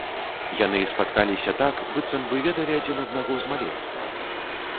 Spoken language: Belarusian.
Яны спаткаліся так, быццам бы ведалі адзін аднаго з маленства.